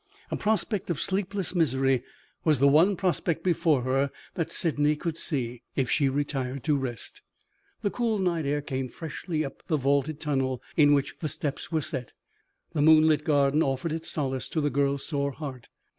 A prospect of sleepless misery was the one prospect before her that Sydney could see, if she retired to rest. The cool night air came freshly up the vaulted tunnel in which the steps were set; the moonlit garden offered its solace to the girl's sore heart.